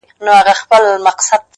• چي هغه تللې ده نو ته ولي خپه يې روحه؛